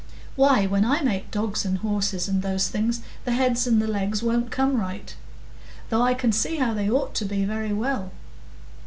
"Why, when I make dogs and horses, and those things, the heads and the legs won't come right; though I can see how they ought to be very well.